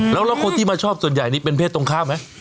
แล้วเค้าตี้ชอบส่วนใหญ่เนี่ยเป็นเพศตรงค้ามั้ย